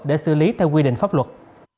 để xử lý theo quy định pháp luật